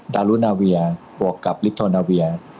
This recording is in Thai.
ดารุนาเวียบวกกับลิโทนาเวีย